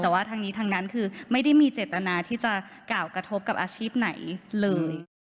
แต่ว่าทางนี้ทางนั้นคือไม่ได้มีเจตนาที่จะกล่าวกระทบกับอาชีพไหนเลย